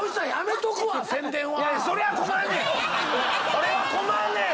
それは困んねん！